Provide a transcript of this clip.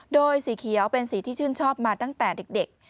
โดยสีเขียวเป็นสีที่ชื่นชอบมาตั้งแต่เด็ก